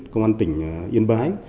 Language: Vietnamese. công an tỉnh yên bái